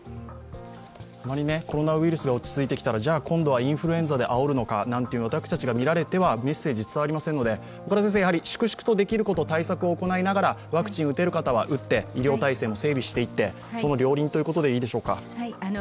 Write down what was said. あまりコロナウイルスが落ち着いてきたら、今度はインフルエンザであおるのかなんて、私たちが見られてはメッセージは伝わりませんので、粛々とできることを対策を打ちながらワクチン打てる方は打って、医療体制も整備していってその両輪ということでいいでしょうか。